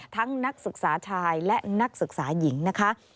นักศึกษาชายและนักศึกษาหญิงนะคะ